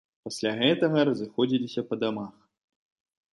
Пасля гэтага разыходзіліся па дамах.